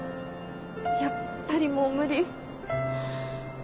やっぱりもう無理。